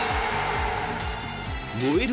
燃える